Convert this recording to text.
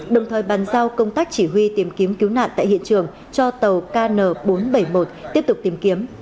đồng thời bàn giao công tác chỉ huy tìm kiếm cứu nạn tại hiện trường cho tàu kn bốn trăm bảy mươi một tiếp tục tìm kiếm